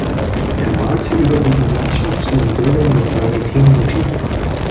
Er malte überwiegend Landschaften und Bilder mit maritimen Motiven.